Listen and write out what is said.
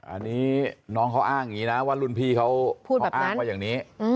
อันนี้น้องเขาอ้างอย่างนี้นะว่ารุ่นพี่เขาอ้างว่าอย่างนี้